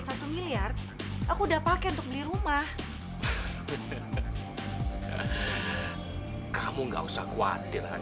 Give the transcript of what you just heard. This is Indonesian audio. saya hendak melakukannya